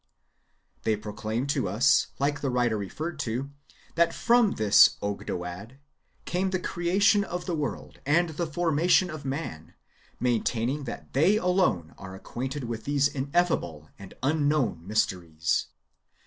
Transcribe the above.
They proclaim to us, like the writer referred to, that from this (Ogdoad) came the creation of the world and the formation of man, maintaining that they alone are acquainted with these ineffable and unknow^n mysteries.